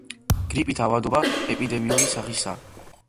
გრიპით ავადობა ეპიდემიური სახისაა.